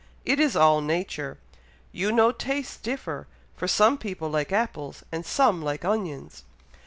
it is all nature! you know tastes differ, for some people like apples and some like onions."